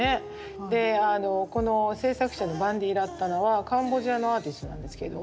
であのこの制作者のヴァンディー・ラッタナはカンボジアのアーティストなんですけれども。